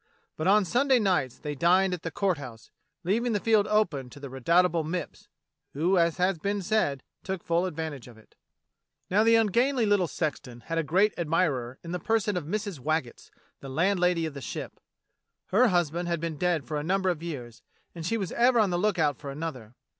But on Sunday nights they dined at the Court House, leaving the field open for the redoubtable Mipps, who, as has been said, took full advantage of it. Now the ungainly little sexton had a great admirer in the person of Mrs. Waggetts, the landlady of the Ship. Her husband had been dead for a number of years, and she was ever on the lookout for another.